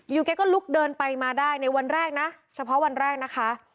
แกก็ลุกเดินไปมาได้ในวันแรกนะเฉพาะวันแรกนะคะ